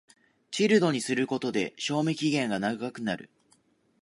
チルドにすることで賞味期限が長くなる